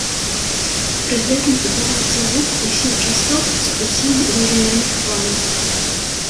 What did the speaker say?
Пры гэтым утвараецца гук усіх частот з усімі даўжынямі хваль.